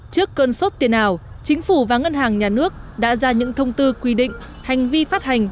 trước cơn sốt tiền ảo chính phủ và ngân hàng nhà nước đã ra những thông tư quy định hành vi phát hành